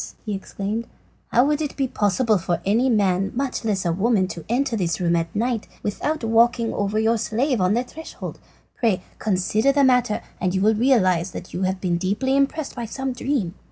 he exclaimed, "how would it be possible for any man, much less a woman, to enter this room at night without walking over your slave on the threshold? Pray consider the matter, and you will realise that you have been deeply impressed by some dream."